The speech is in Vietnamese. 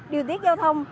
điều tiết giao thông